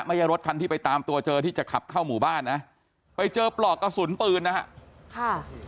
รถคันที่ไปตามตัวเจอที่จะขับเข้าหมู่บ้านนะไปเจอปลอกกระสุนปืนนะฮะค่ะ